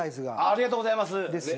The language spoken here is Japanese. ありがとうございます。